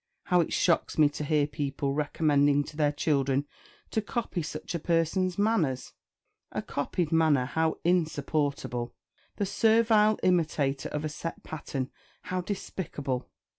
How it shocks me to hear people recommending to their children to copy such a person's manners! A copied manner, how insupportable! The servile imitator of a set pattern, how despicable!